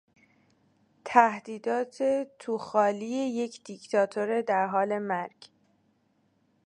تهدیدات تو خالی یک دیکتاتور در حال مرگ